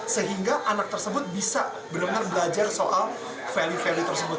sehingga anak tersebut bisa benar benar belajar soal value value tersebut